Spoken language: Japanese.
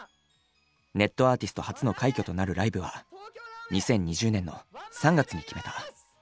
ネットアーティスト初の快挙となるライブは２０２０年の３月に決めた。